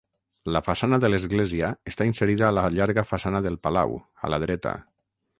La façana de l'església està inserida a la llarga façana del palau, a la dreta.